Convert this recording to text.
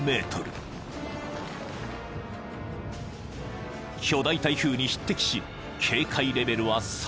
［巨大台風に匹敵し警戒レベルは最大級］